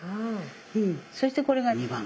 そしてこれが二番粉。